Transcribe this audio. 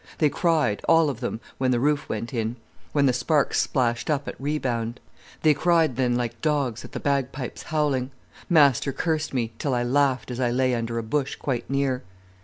They cried, all of them when the roof went in, when the sparks splashed up at rebound. They cried then like dogs at the bagpipes howling. Master cursed me, till I laughed as I lay under a bush quite near.